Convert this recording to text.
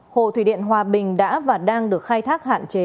hồ thủy điện hòa bình đã và đang được khai thác hạn chế